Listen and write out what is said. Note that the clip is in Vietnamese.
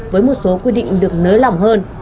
với một số quy định